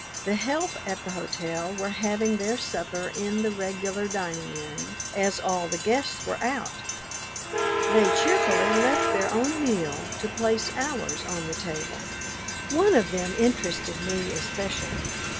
The help at the hotel were having their supper in the regular dining room, as all the guests were out. They cheerfully left their own meal to place ours on the table. One of them interested me especially.